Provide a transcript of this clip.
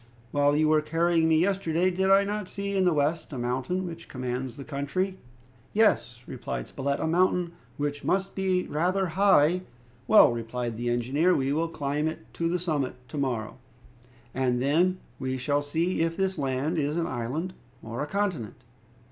"While you were carrying me yesterday, did I not see in the west a mountain which commands the country?" "Yes," replied Spilett, "a mountain which must be rather high " "Well," replied the engineer, "we will climb to the summit to morrow, and then we shall see if this land is an island or a continent.